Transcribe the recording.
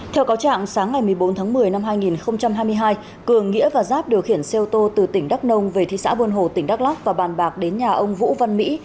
theo cáo trạng sáng ngày một mươi bốn tháng một mươi năm hai nghìn hai mươi hai cường nghĩa và giáp điều khiển xe ô tô từ tỉnh đắk nông về thị xã buôn hồ tỉnh đắk lắc và bàn bạc đến nhà ông vũ văn mỹ